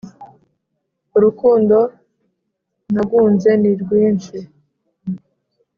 urukundo nagunze ni rwinshi